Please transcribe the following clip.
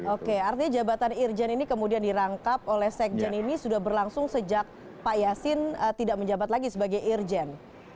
oke artinya jabatan irjen ini kemudian dirangkap oleh sekjen ini sudah berlangsung sejak pak yasin tidak menjabat lagi sebagai irjen